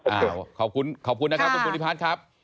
อ้าวขอบคุณนะครับคุณผู้ริพัฒน์ครับ